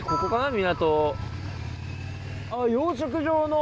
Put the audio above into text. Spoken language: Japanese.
港。